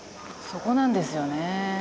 そこなんですよね。